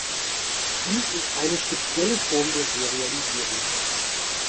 Dies ist eine spezielle Form der Serialisierung.